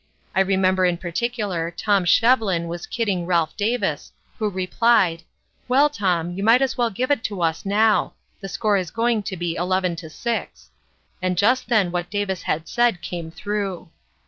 I remember in particular Tom Shevlin was kidding Ralph Davis, who replied: 'Well, Tom, you might as well give it to us now the score is going to be 11 6,' and just then what Davis had said came through.